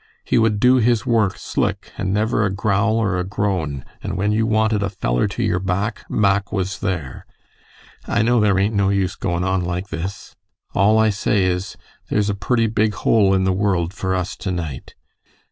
He wud do his work slick and never a growl or a groan, and when you wanted a feller to your back, Mack was there. I know there aint no use goin on like this. All I say is, ther's a purty big hole in the world for us to night.